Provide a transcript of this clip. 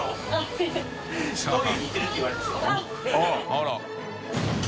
あら。